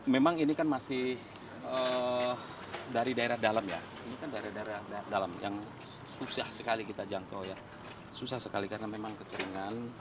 memang ini kan masih dari daerah dalam ya ini kan daerah daerah dalam yang susah sekali kita jangkau ya susah sekali karena memang kekeringan